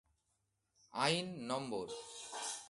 আইন নং.